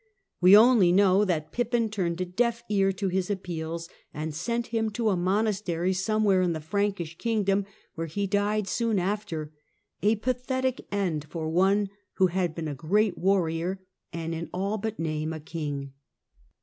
We only know that Pippin urned a deaf ear to his appeals, and sent him to a nonastery somewhere in the Frankish kingdom, where le died soon after — a pathetic end for one who had been . great warrior and, in all but name, a king.